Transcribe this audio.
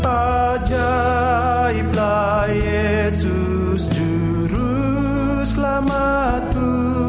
ajaiblah yesus juru selamatku